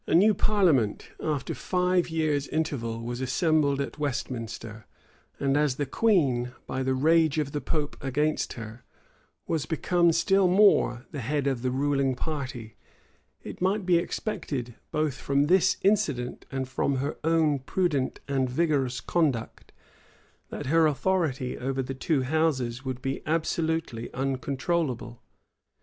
[] A new parliament, after five years' interval, was assembled at Westminster; and as the queen, by the rage of the pope against her, was become still more the head of the ruling party, it might be expected, both from this incident and from her own prudent and vigorous conduct, that her authority over the two houses would be absolutely uncontrollable.